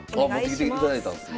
持ってきていただいたんですね。